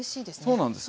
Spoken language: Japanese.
そうなんです。